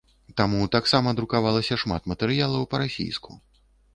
Таму таксама друкавалася шмат матэрыялаў па-расійску.